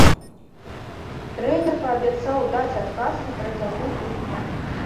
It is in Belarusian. Трэнер паабяцаў даць адказ на працягу тыдня.